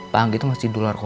panggi itu masih duluan aja ya